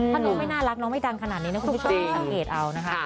ถ้าน้องไม่น่ารักน้องไม่ดังขนาดนี้นะคุณผู้ชมสังเกตเอานะคะ